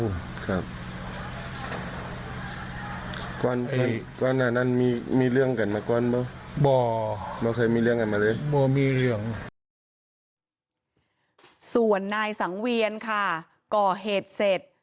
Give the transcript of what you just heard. ส่วนนายสังเวียนค่ะก็เหตุเสร็จ